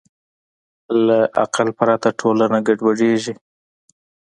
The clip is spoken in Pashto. له عقل پرته ټولنه ګډوډېږي.